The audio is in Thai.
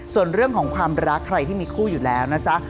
ส่วนเรื่องของความรักใครที่มีคู่อยู่แล้วนะจ๊ะ